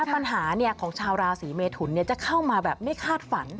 ปัญหาของชาวราศีเมทุนจะเข้ามาแบบไม่คาดฝัน